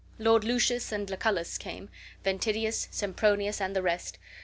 Lord Lucius and Lucullus came, Ventidius, Sempronius, and the rest.